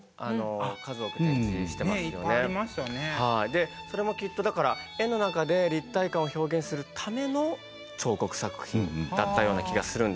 でそれもきっとだから絵の中で立体感を表現するための彫刻作品だったような気がするんですが。